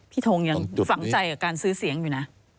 ทงยังฝังใจกับการซื้อเสียงอยู่นะ